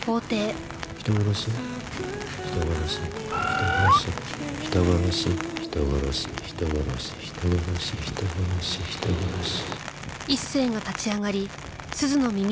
人殺し人殺し人殺し人殺し人殺し人殺し人殺し人殺し人殺し。